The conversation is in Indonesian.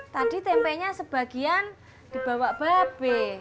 tadi tempenya sebagian dibawa babe